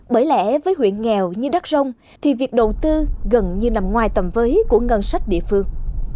bởi lẽ với huyện nghèo như đất rông thì việc đầu tư gần như nằm ngoài tầm với của ngân sách địa phương